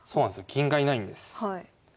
銀がいないんです。